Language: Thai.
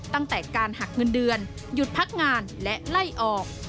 ตั้งแต่การหักเงินเดือนหยุดพักงานและไล่ออก